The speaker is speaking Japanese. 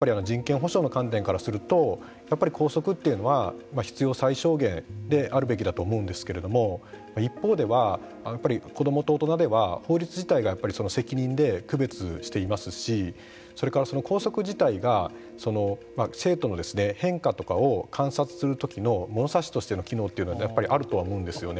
法律的に言えばやっぱり人権保障の観点からするとやっぱり校則というのは必要最小限であるべきだと思うんですけれども一方では、子どもと大人では法律自体が責任で区別してますしそれから校則自体が生徒の変化とかを観察するときの物差しとしての機能というのがあるとは思うんですよね。